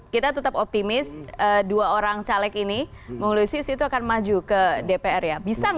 kita tetap optimis dua orang caleg ini mengulusius itu akan maju ke dpr ya